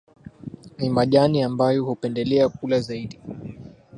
Ni majani ambayo hupendelea kula zaidi